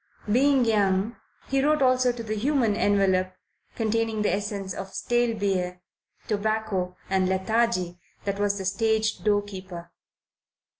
Being young, he wrote also to the human envelope containing the essence of stale beer, tobacco and lethargy that was the stage doorkeeper.